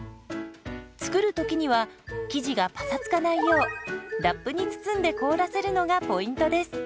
作る時には生地がパサつかないようラップに包んで凍らせるのがポイントです。